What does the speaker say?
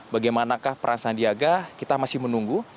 bagaimanakah peran sandiaga kita masih menunggu